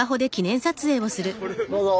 どうぞ。